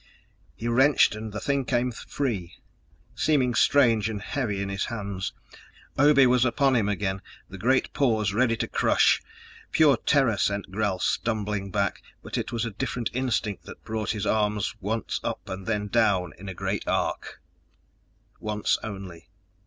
He wrenched and the thing came free, seeming strange and heavy in his hands. Obe was upon him again, the great paws ready to crush ... pure terror sent Gral stumbling back, but it was a different instinct that brought his arms once up and then down in a great arc.... Once only.